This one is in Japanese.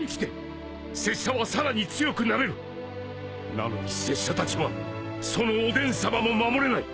なのに拙者たちはそのおでんさまも守れない！